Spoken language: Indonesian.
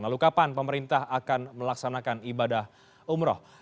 lalu kapan pemerintah akan melaksanakan ibadah umroh